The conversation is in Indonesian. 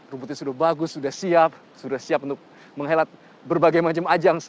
rumputnya sudah bagus sudah siap sudah siap untuk menghelat berbagai macam ajang